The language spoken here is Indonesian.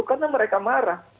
karena mereka marah